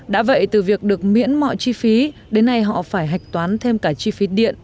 đã vậy từ việc được miễn mọi chi phí đến nay họ phải hạch toán thêm cả chi phí điện